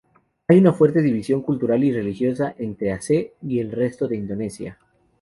Hay una fuerte división cultural y religiosa entre Aceh y el resto de Indonesia.